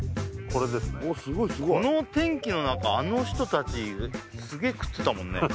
この天気の中あの人達すげえ食ってたもんね